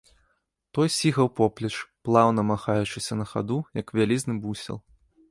Той сігаў поплеч, плаўна махаючыся на хаду, як вялізны бусел.